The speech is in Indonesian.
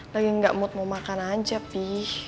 lagi gak mood mau makan aja pih